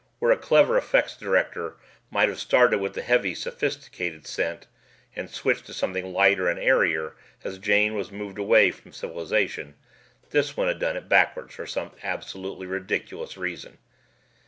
Where a clever effects director might have started with the heavy sophisticated scent and switched to something lighter and airier as Jane was moved away from civilization, this one had done it backwards for some absolutely ridiculous reason.